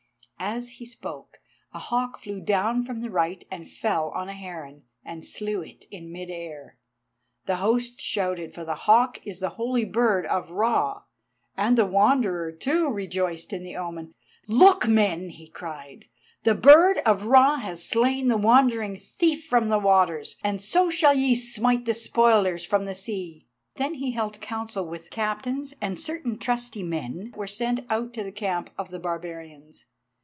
As he spoke a hawk flew down from the right, and fell on a heron, and slew it in mid air. The host shouted, for the hawk is the Holy Bird of Ra, and the Wanderer, too, rejoiced in the omen. "Look, men," he cried; "the Bird of Ra has slain the wandering thief from the waters. And so shall ye smite the spoilers from the sea." Then he held counsel with Captains, and certain trusty men were sent out to the camp of the barbarians.